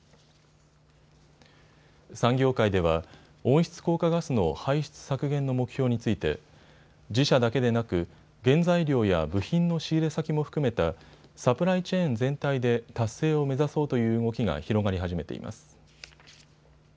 産業界では温室効果ガスの排出削減の目標について自社だけでなく原材料や部品の仕入れ先も含めたサプライチェーン全体で達成を目指そうという動きが広がり始めています。